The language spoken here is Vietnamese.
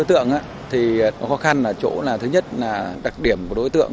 quá trình chúng tôi truy sát đối tượng thì có khó khăn là chỗ là thứ nhất là đặc điểm của đối tượng